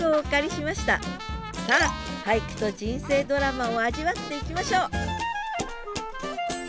さあ俳句と人生ドラマを味わっていきましょう！